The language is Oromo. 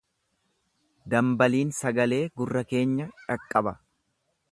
Dambaliin sagalee gurra keenya dhaqqaba.